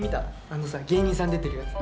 あのさ芸人さん出てるやつ。